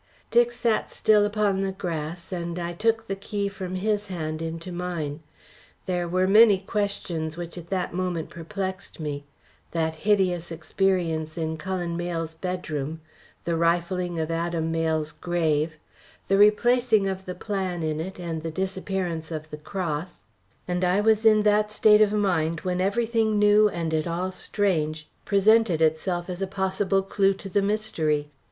Dick sat still upon the grass, and I took the key from his hand into mine. There were many questions which at that moment perplexed me that hideous experience in Cullen Mayle's bedroom, the rifling of Adam Mayle's grave, the replacing of the plan in it and the disappearance of the cross, and I was in that state of mind when everything new and at all strange presented itself as a possible clue to the mystery.